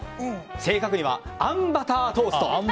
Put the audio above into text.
正確にはあんバタートースト。